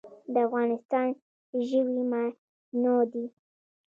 د افغانستان ژوي متنوع دي